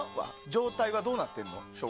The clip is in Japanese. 状態はどうなってるの？